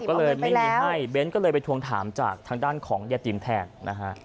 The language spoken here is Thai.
ก็เลยไม่มีให้เบ้นก็เลยไปทวงถามจากทางด้านของยาติมแทนนะฮะ